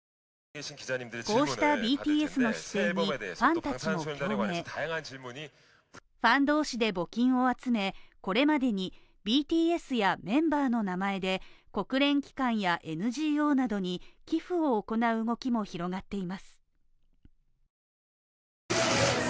こうしたＢＴＳの姿勢にファンたちも共鳴ファン同士で募金を集めこれまでにＢＴＳやメンバーの名前で国連機関やＮＧＯなどに寄付を行う動きも広がっています